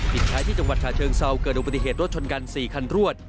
พิพัฒน์ที่จังหวัดฉะเชิงเศร้าเกิดอุปิติเหตุรถชนกัน๔คันรวด